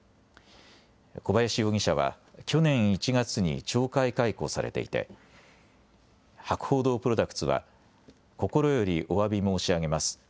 小林容疑者は去年１月に懲戒解雇されていて博報堂プロダクツは心よりおわび申し上げます。